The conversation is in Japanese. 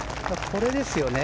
これですよね。